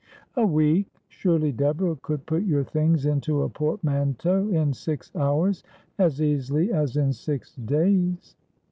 ' A week ! Surely Deborah could put your things into a portmanteau in six hours as easily as in six days.'